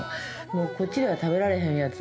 もうこっちでは食べられへんやつ。